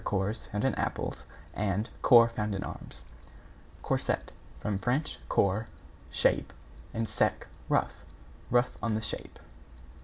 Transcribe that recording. cores found in apples and corps found in arms). =CORSET= From Fr. corps, shape, and sec, rough. Rough on the shape.